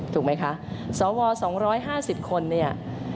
ถูกไหมคะสว๒๕๐คนเนี่ย